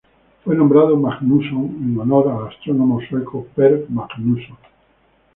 Fue nombrado Magnusson en honor al astrónomo sueco Per Magnusson.